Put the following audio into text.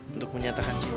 untuk menyatakan cinta